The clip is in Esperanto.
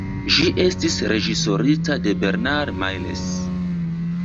Ĝi estis reĝisorita de Bernard Miles.